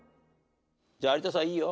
じゃあ有田さんいいよ。